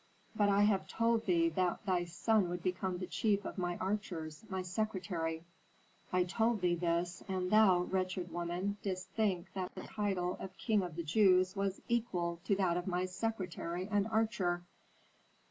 But I have told thee that thy son would become the chief of my archers, my secretary. I told thee this, and thou, wretched woman, didst think that the title of king of the Jews was equal to that of my secretary and archer.